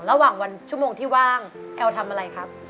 ระหว่างวันชั่วโมงที่ว่างแอลทำอะไรครับ